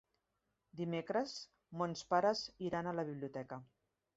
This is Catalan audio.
Dimecres mons pares iran a la biblioteca.